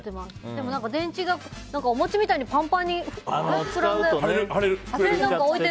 でも何か、電池がお餅みたいにパンパンになってて。